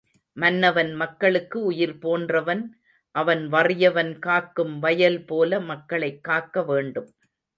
மன்னவன் மக்களுக்கு உயிர் போன்றவன் அவன் வறியவன் காக்கும் வயல் போல மக்களைக் காக்க வேண்டும்.